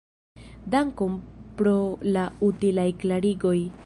Dankon pro la utilaj klarigoj.